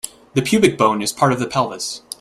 The pubic bone is part of the pelvis.